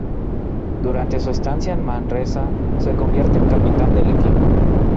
Durante su estancia en Manresa se convierte en capitán del equipo.